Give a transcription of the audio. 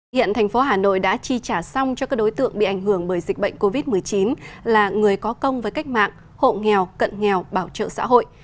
hiện thành phố hà nội đã chi trả xong cho các đối tượng bị ảnh hưởng bởi dịch bệnh covid một mươi chín là người có công với cách mạng hộ nghèo cận nghèo bảo trợ xã hội